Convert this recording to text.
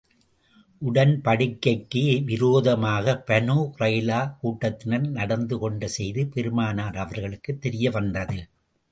உடன்படிக்கைக்கு விரோதமாக Banu Qurayza கூட்டத்தினர் நடந்து கொண்ட செய்தி பெருமானார் அவர்களுக்குத் தெரிய வந்தது.